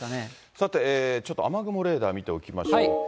さて、ちょっと雨雲レーダー見ておきましょうか。